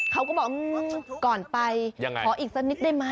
เขาก็บอกก่อนไปขออีกสักนิดได้ไหม